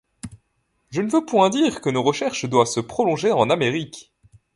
Je ne veux point dire que nos recherches doivent se prolonger en Amérique.